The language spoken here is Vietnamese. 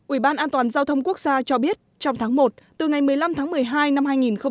ủy ban an toàn giao thông quốc gia cho biết trong tháng một từ ngày một mươi năm tháng một mươi hai năm hai nghìn một mươi chín